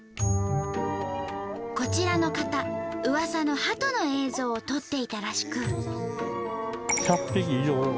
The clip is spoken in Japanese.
こちらの方うわさのハトの映像を撮っていたらしく。